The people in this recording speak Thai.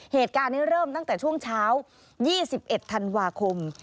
เหตุการณ์นี้เริ่มตั้งแต่ช่วงเช้า๒๑ธันวาคม